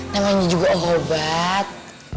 namanya juga obat